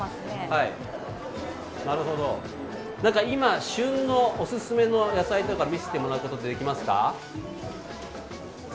今、旬のおすすめの野菜とか見せてもらうことはできますか？